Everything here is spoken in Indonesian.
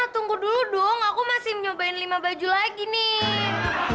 tunggu dulu dong aku masih nyobain lima baju lagi nih